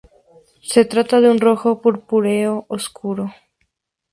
Se trata de un rojo purpúreo oscuro.